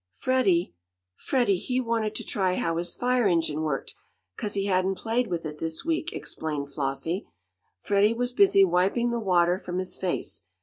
"Freddie Freddie he wanted to try how his fire engine worked, 'cause he hadn't played with it this week," explained Flossie. Freddie was busy wiping the water from his face.